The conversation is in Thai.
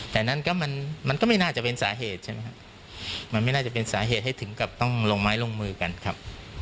แต่นั่นก็มันก็ไม่น่าจะเป็นสาเหตุใช่ไหมครับมันไม่น่าจะเป็นสาเหตุให้ถึงกับต้องลงไม้ลงมือกันครับ